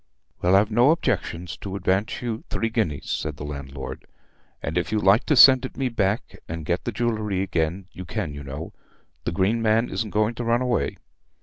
"Well, I've no objections to advance you three guineas," said the landlord; "and if you like to send it me back and get the jewellery again, you can, you know. The Green Man isn't going to run away."